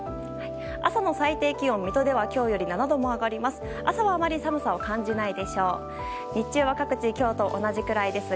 朝の最低気温、水戸では今日より７度も上がります。